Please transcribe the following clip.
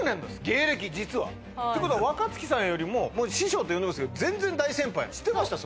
芸歴実はということは若槻さんよりも師匠って呼んでますけど全然大先輩知ってました？